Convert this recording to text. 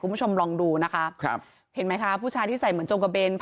คุณผู้ชมลองดูนะคะครับเห็นไหมคะผู้ชายที่ใส่เหมือนจงกระเบน